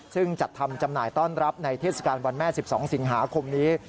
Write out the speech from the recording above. ซึ่งจัดทำจำหน่ายต้อนรับในเทศกาลวันแม่๑๒สิงหาคมนี้